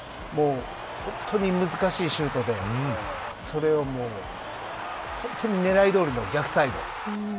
このボレーを本当に難しいシュートでそれを狙いどおりの逆サイド。